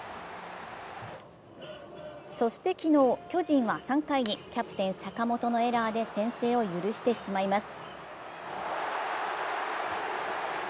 そして昨日、巨人は３回にキャプテン・坂本のエラーで先制を許してしまいます。